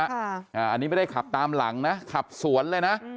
อันนี้ไม่ได้ขับตามหลังนะขับสวนเลยนะ